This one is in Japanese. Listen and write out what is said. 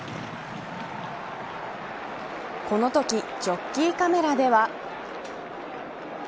このときジョッキーカメラでは。